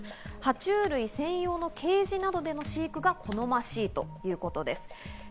爬虫類専用のケージなどでの飼育が好ましいということです。